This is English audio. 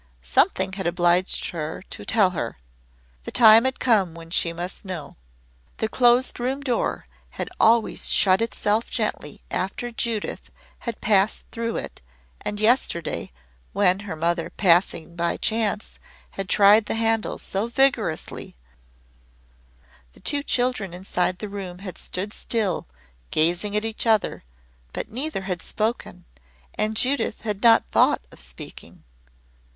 Something had obliged her to tell her. The time had come when she must know. The Closed Room door had always shut itself gently after Judith had passed through it, and yesterday, when her mother passing by chance, had tried the handle so vigorously, the two children inside the room had stood still gazing at each other, but neither had spoken and Judith had not thought of speaking.